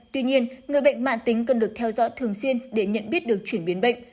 tuy nhiên người bệnh mạng tính cần được theo dõi thường xuyên để nhận biết được chuyển biến bệnh